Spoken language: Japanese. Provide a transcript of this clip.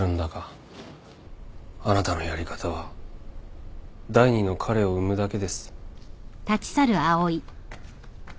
あなたのやり方は第二の彼を生むだけです。